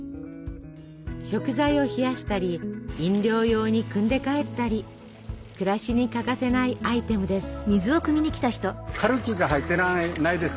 食材を冷やしたり飲料用にくんで帰ったり暮らしに欠かせないアイテムです。